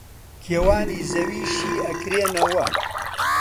کێوانی زەوی شی ئەکرێنەوە